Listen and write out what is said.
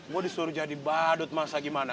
mau disuruh jadi badut masa gimana